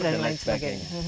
dan lain sebagainya